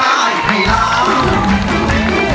เพลงที่หนึ่งนะครับมูลค่าหนึ่งหมื่นบาท